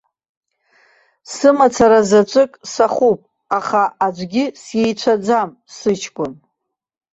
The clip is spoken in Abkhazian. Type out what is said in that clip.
Сымацара заҵәык сахуп, аха аӡәгьы сиеицәаӡам, сыҷкәын.